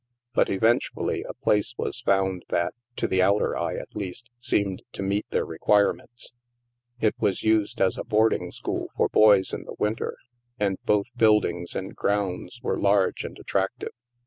But THE MAELSTROM 205 eventually a place was found that, to the outer eye at least, seemed to meet their requirements. It was used as a boarding school for boys in the winter, and both buildings and grounds were large and at tractive.